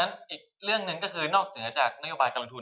อีกเรื่องหนึ่งก็คือนอกเหนือจากนโยบายการลงทุน